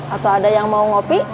atau ada yang mau ngopi